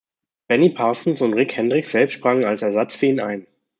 Benny Parsons und Rick Hendrick selbst sprangen als Ersatz für ihn ein.